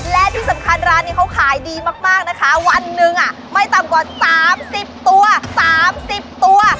และที่สำคัญร้านนี้เขาขายดีมากนะคะวันหนึ่งไม่ต่ำกว่า๓๐ตัว๓๐ตัว